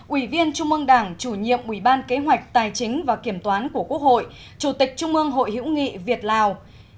ủy viên trung ương đảng chủ nhiệm ủy ban kế hoạch tài chính và kiểm toán của quốc hội chủ tịch trung ương hội hữu nghị việt lào